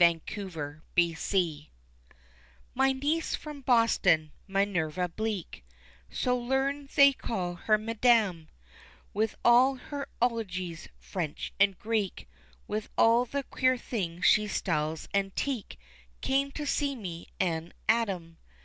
Cold Water My niece from Boston, Minerva Bleak, So learned they call her Madam, With all her 'ologies, French and Greek, With all the queer things she styles antique, Came to see me, an' Adam.